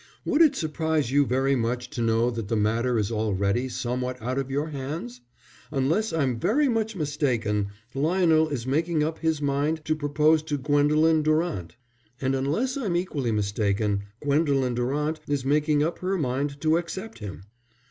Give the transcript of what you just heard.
"Would it surprise you very much to know that the matter is already somewhat out of your hands? Unless I'm very much mistaken, Lionel is making up his mind to propose to Gwendolen Durant; and unless I'm equally mistaken, Gwendolen Durant is making up her mind to accept him."